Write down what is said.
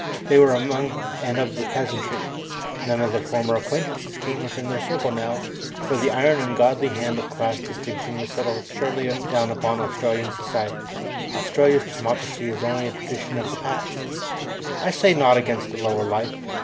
They were among and of the peasantry. None of their former acquaintances came within their circle now, for the iron ungodly hand of class distinction has settled surely down upon Australian society Australia's democracy is only a tradition of the past. I say naught against the lower life.